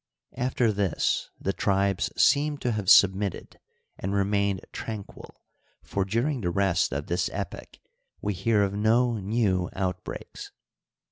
After this the tribes seem to have submitted and remained tranquil, for during the rest of this epoch we hear of no new outbreaks.